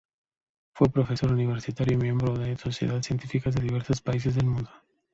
Fue profesor universitario y miembro de sociedades científicas de diversos países del mundo.